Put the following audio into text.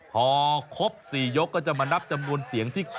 พอครบ๔ยกก็จะมานับจำนวนเสียงที่